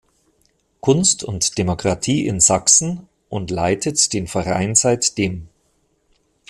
Kunst und Demokratie in Sachsen" und leitet den Verein seitdem.